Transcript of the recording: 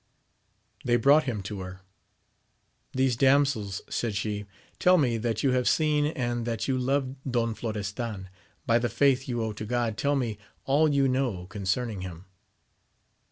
They brought him to her. These damsels, said she, tell me that you have seen and that you love Don Florestan : by the faith you owe to God, tell me all you know concerning him.